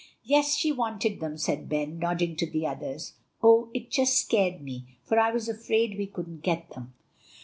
"Yes, she wanted them," said Ben, nodding to the others. "Oh! it just scared me, for I was afraid we couldn't get them."